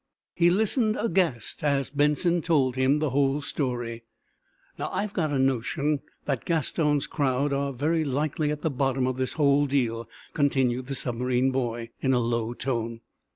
He listened, aghast, as Benson told him the whole story. "Now, I've got a notion that Gaston's crowd are very likely at the bottom of this whole deal," continued the submarine boy, in a low tone.